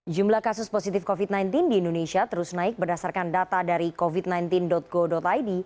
jumlah kasus positif covid sembilan belas di indonesia terus naik berdasarkan data dari covid sembilan belas go id